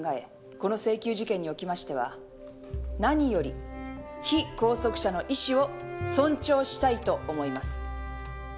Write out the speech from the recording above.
この請求事件におきましては何より被拘束者の意志を尊重したいと思います。